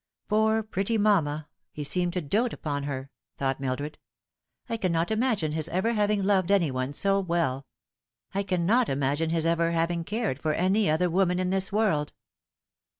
" Poor pretty mamma I he seemed to dote upon her," thought Mildred. " I cannot imagine his ever having loved any one so well. I cannot imagine his ever having cared for any other woman in this world."